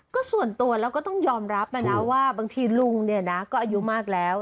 ก็ส่วนตัวเราก็ต้องยอมรับนะนะว่าบางทีลุงเนี่ยนะก็อายุมากแล้ว